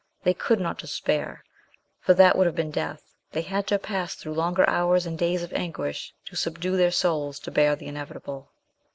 They could not despair, for that would have been death ; they had to pass through longer hours and days of anguish to subdue their souls to bear the inevitable.